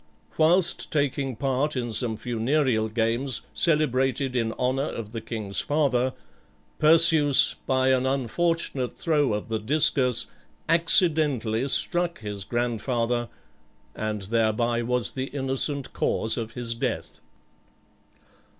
Whilst taking part in some funereal games, celebrated in honour of the king's father, Perseus, by an unfortunate throw of the discus, accidentally struck his grandfather, and thereby was the innocent cause of his death.